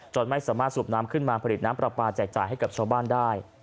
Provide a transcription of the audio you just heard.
ไม่สามารถสูบน้ำขึ้นมาผลิตน้ำปลาปลาแจกจ่ายให้กับชาวบ้านได้